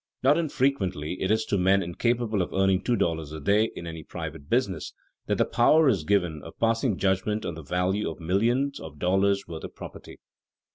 Not infrequently it is to men incapable of earning two dollars a day in any private business that the power is given of passing judgment on the value of millions of dollars' worth of property.